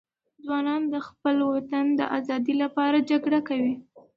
ځوانان د خپل وطن د آزادي لپاره جګړه کوي.